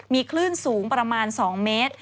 มีคลื่นสูงประมาณ๒เมตร